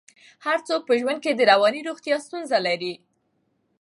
هر څوک په ژوند کې د رواني روغتیا ستونزه لري.